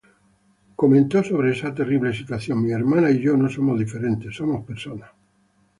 Comentó sobre esa terrible situación: ""Mis hermanas y yo no somos diferentes, somos personas.